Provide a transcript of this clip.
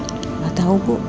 nggak tahu bu